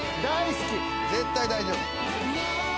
絶対大丈夫。